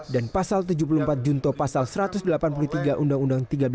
dan pasal tujuh puluh empat junto pasal satu ratus delapan puluh tiga undang undang tiga belas